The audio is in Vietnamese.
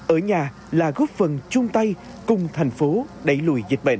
ở nhà là góp phần chung tay cùng thành phố đẩy lùi dịch bệnh